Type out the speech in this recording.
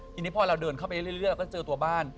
ทีนี้พอเราเดินเข้าไปเรื่อยเราก็เจอตัวบ้าน